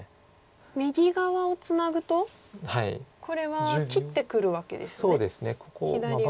右側をツナぐとこれは切ってくるわけですね左側を。